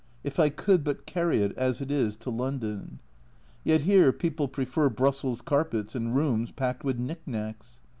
If I could but carry it as it is to London I Yet here people prefer Brussels carpets and rooms packed with knick knacks.